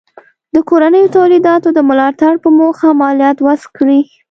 د کورنیو تولیداتو د ملاتړ په موخه مالیات وضع کړي.